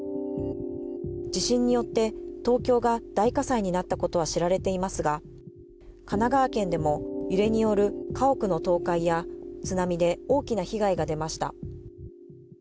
地震によって東京が大火災になったことは知られていますが、神奈川県でも揺れによる家屋の倒壊や津波で大きな被害が出ました。